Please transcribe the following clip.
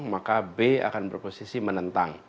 maka b akan berposisi menentang